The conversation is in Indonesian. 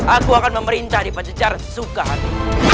aku akan memerintah di pancejaran sesuka hati